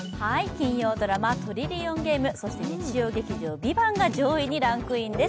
金曜ドラマ「トリリオンゲーム」、そして日曜劇場「ＶＩＶＡＮＴ」が上位にランクインです。